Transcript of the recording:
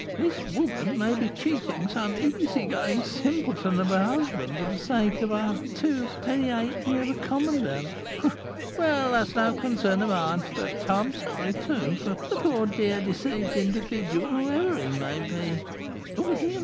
this woman may be cheating some easygoing simpleton of a husband for the sake of our two penny halfpenny of a commandant! Well, that is no concern of mine, but I am sorry, too, for the poor, dear, deceived individual, whoever he may be. Dear me!